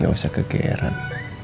gak usah kekeeran